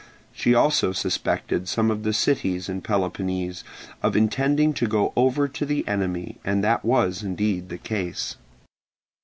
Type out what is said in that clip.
She also suspected some of the cities in Peloponnese of intending to go over to the enemy and that was indeed the case.